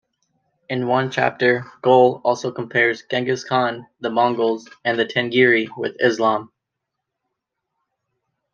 In one chapter, Goel also compares Genghis Khan, the Mongols and Tengiri with Islam.